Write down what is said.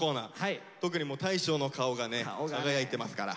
特に大昇の顔がね輝いてますから。